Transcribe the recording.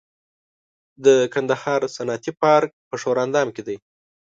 د کندهار صنعتي پارک په ښوراندام کې دی